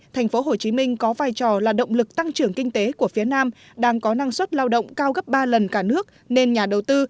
thành phố hồ chí minh có vai trò là động lực tăng trưởng kinh tế của phía nam đang có năng suất lao động cao gấp ba lần cả nước nên nhà đầu tư